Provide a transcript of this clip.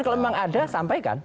kalau memang ada sampaikan